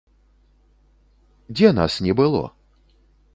Дзе нас не было?